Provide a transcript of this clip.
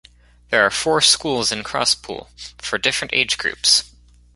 There are four schools in Crosspool for different age groups.